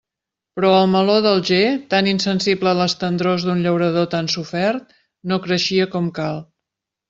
Però el meló d'Alger, tan insensible a les tendrors d'un llaurador tan sofert, no creixia com cal.